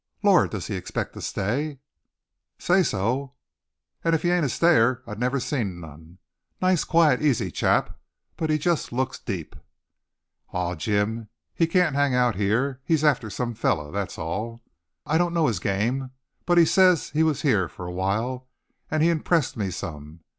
"Lord! does he expect to stay?" "Say so. An' if he ain't a stayer I never seen none. Nice, quiet, easy chap, but he just looks deep." "Aw, Jim, he can't hang out heah. He's after some feller, that's all." "I don't know his game. But he says he was heah for a while. An' he impressed me some.